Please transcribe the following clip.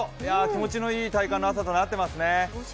気持ちのいい体感の朝となっていますね。